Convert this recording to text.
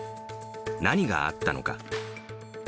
何があったのか。